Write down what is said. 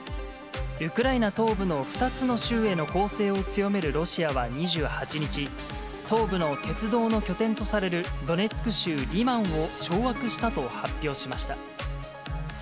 ウクライナ東部の２つの州への攻勢を強めるロシアは２８日、東部の鉄道の拠点とされるドネツク州リマンを掌握したと発表しました。